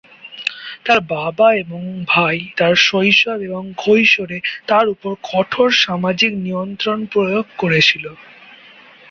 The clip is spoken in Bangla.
তার বাবা এবং ভাই তার শৈশব এবং কৈশোরে তার উপর কঠোর সামাজিক নিয়ন্ত্রণ প্রয়োগ করেছিল।